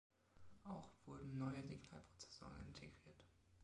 Auch wurden neue Signalprozessoren integriert.